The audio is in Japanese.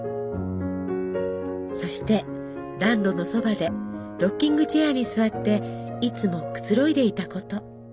そして暖炉のそばでロッキングチェアに座っていつもくつろいでいたこと。